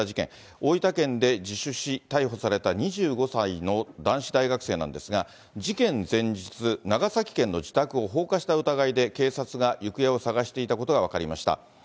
大分県で自首し、逮捕された２５歳の男子大学生なんですが、事件前日、長崎県の自宅を放火した疑いで、警察が行方を捜していたことが分かりました。